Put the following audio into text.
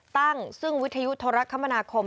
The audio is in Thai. ตั้งซึ่งวิทยุโทรคมนาคม